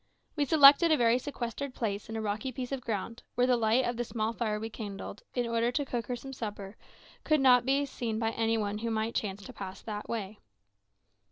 We selected a very sequestered place in a rocky piece of ground, where the light of the small fire we kindled, in order to cook her some supper, could not be seen by any one who might chance to pass by that way.